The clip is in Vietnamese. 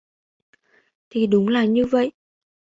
Thì đúng là như vậy